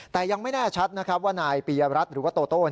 แต่ยังไม่แน่ชัดนะครับว่านายปียรัฐหรือว่าโตโต้